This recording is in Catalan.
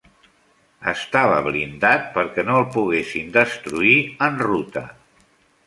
Estava blindat per què no el poguessin destruir en ruta.